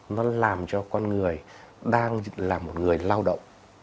nó làm cho con người đang là một người lao động